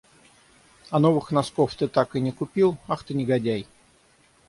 А новых носков ты так и не купил? Ах, ты негодяй!